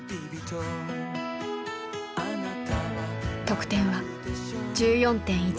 得点は１４．１６６。